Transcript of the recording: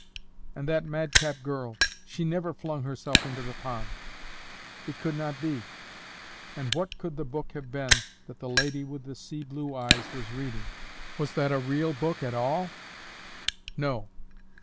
And that madcap girl—she never flung herself into the pond!—it could not be. And what could the book have been that the lady with the sea blue eyes was reading? Was that a real book at all? No.